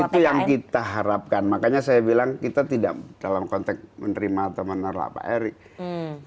itu yang kita harapkan makanya saya bilang kita tidak dalam konteks menerima atau menerlak pak erick